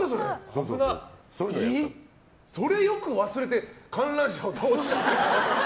それ、よく忘れて観覧車を倒したって。